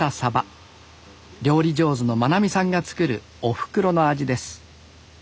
料理上手の真奈美さんが作るおふくろの味です